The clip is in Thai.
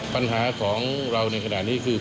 ปัญหาของเราในขณะนี้คือ